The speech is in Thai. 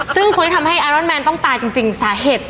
ซึ่งคนที่ทำให้ไอรอนแมนต้องตายจริงสาเหตุ